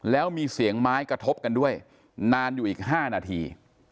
แล้วมีเสียงไม้กระทบกันด้วยนานอยู่อีก๕นาที